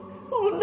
・女？